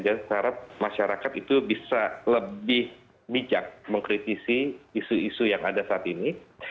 dan saya harap masyarakat itu bisa lebih bijak mengkritisi isu isu yang ada saat ini